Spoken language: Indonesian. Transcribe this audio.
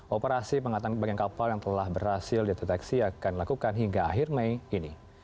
operasi pengangkatan bagian kapal yang telah berhasil dideteksi akan dilakukan hingga akhir mei ini